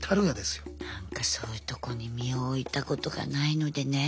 なんかそういうとこに身を置いたことがないのでね。